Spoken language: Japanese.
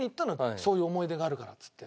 そういう思い出があるからっつって。